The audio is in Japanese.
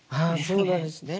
そうなんですね。